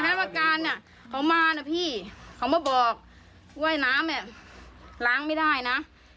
แพทย์ประการเนี้ยเขามานะพี่เขามาบอกว่ายน้ำล้างไม่ได้น่ะ